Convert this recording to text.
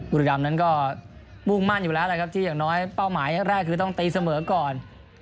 บุรีรำนั้นก็มุ่งมั่นอยู่แล้วแหละครับที่อย่างน้อยเป้าหมายแรกคือต้องตีเสมอก่อน